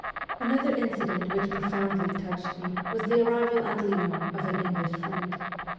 Another incident which profoundly touched me was the arrival at Lyons of an English friend.